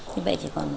như vậy chỉ còn